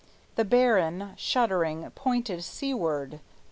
The baron, shuddering, pointed seaward.